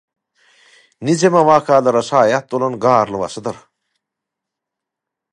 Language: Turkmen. Nijeme wakalara şaýat bolan garly başydyr?